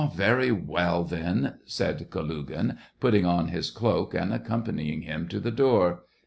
very well, then," said Kalugin, putting on his cloak, and accompanying him to the door.